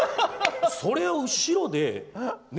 それを後ろでね。